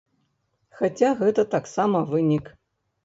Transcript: Хаця гэта таксама вынік.